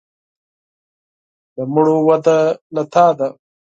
د مړو وده له تا ده.